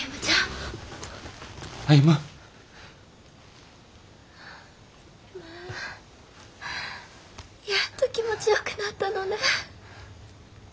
まあやっと気持ちよくなったのね。